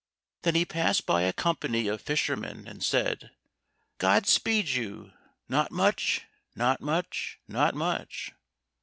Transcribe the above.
Then he passed by a company of fishermen and said, "God speed you! not much, not much, not much."